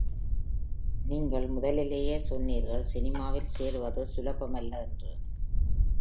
நீங்கள் முதலிலேயே சொன்னீர்கள், சினிமாவில் சேருவது சுலபமல்ல என்று.